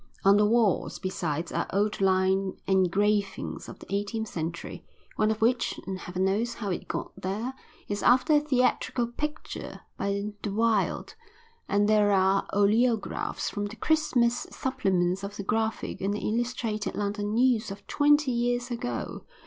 On the walls, besides, are old line engravings of the eighteenth century, one of which, and heaven knows how it got there, is after a theatrical picture by De Wilde; and there are oleographs from the Christmas supplements of the Graphic and the Illustrated London News of twenty years ago.